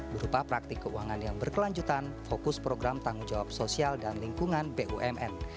berupa praktik keuangan yang berkelanjutan fokus program tanggung jawab sosial dan lingkungan bumn